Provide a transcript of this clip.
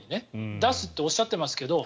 出すとおっしゃっていますけど。